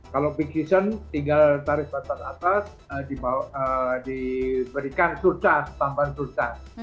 kalau vacation tinggal tarif pasar atas diberikan surcharge tambahan surcharge